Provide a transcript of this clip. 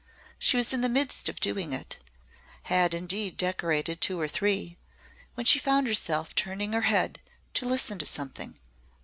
She was in the midst of doing it had indeed decorated two or three when she found herself turning her head to listen to something.